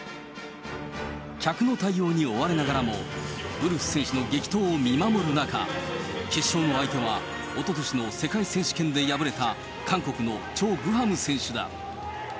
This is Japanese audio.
客の対応に追われながらも、ウルフ選手の激闘を見守る中、決勝の相手は、おととしの世界選手権で敗れた韓国のチョ・グハム選手だ。